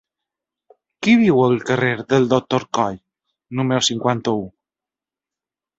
Qui viu al carrer del Doctor Coll número cinquanta-u?